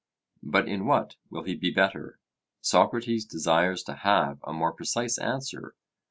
'But in what will he be better?' Socrates desires to have a more precise answer.